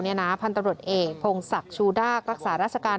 พันธุ์ตำรวจเอกพงศักดิ์ชูด้ารักษาราชการ